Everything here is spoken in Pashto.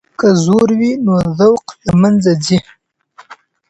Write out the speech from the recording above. که زور وي نو ذوق له منځه ځي.